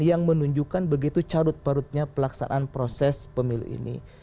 yang menunjukkan begitu carut perutnya pelaksanaan proses pemilu ini